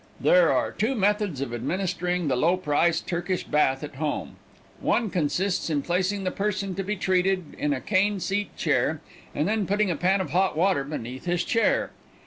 There are two methods of administering the low price Turkish bath at home. One consists in placing the person to be treated in a cane seat chair, and then putting a pan of hot water beneath this chair.